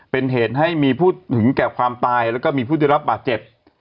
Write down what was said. เป็นเหตุให้มีผู้ถึงแก่ความตายแล้วก็มีผู้ได้รับบาดเจ็บ